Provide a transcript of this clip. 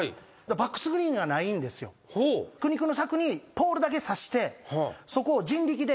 苦肉の策にポールだけさしてそこを。